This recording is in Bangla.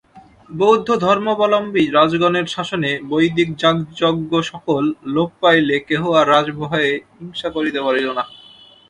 বৌদ্ধধর্মাবলম্বী রাজগণের শাসনে বৈদিক যাগযজ্ঞসকল লোপ পাইলে কেহ আর রাজভয়ে হিংসা করিতে পারিল না।